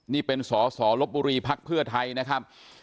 นี่เป็นสอสลบบุรีพรรครับ